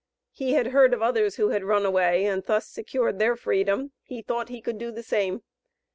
He had heard of others who had run away and thus secured their freedom; he thought he could do the same.